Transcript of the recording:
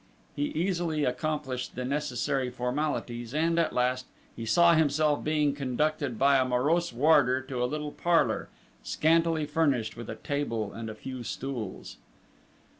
He easily accomplished the necessary formalities, and, at last, he saw himself being conducted by a morose warder to a little parlour, scantily furnished with a table and a few stools.